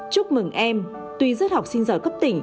chúc mừng em